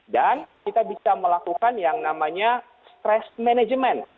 dan kita bisa melakukan yang namanya stress management